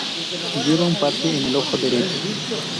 Lleva un parche en el ojo derecho.